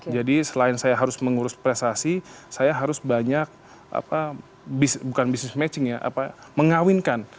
jadi selain saya harus mengurus prestasi saya harus banyak mengawinkan